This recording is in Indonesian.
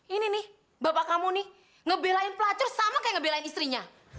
ini nih bapak kamu nih ngebelain pelacur sama kayak ngebelain istrinya